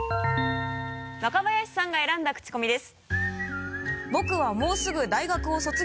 若林さんが選んだクチコミです。